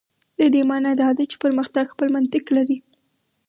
د دې معنا دا ده چې پرمختګ خپل منطق لري.